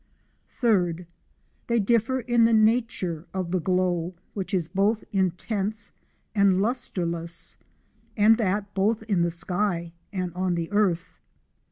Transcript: (3) They differ in the nature of the glo dj, which is both intense and lustreless, and that both in the sky and on the earth.